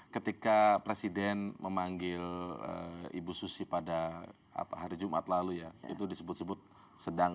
ketika presiden memanggil ibu susi pada hari jumat lalu ya itu disebut sebut sedang